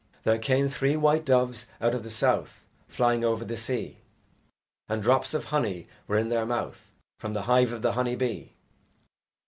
There came three white doves out of the South Flying over the sea, And drops of honey were in their mouth From the hive of the honey bee.